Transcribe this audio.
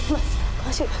mas mas yuda